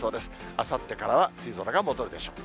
あさってからは梅雨空が戻るでしょう。